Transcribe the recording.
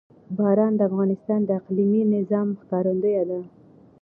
باران د افغانستان د اقلیمي نظام ښکارندوی ده.